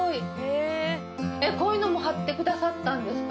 えっこういうのも貼ってくださったんですか？